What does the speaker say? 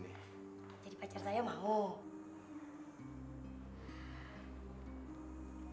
jadi pacar saya mau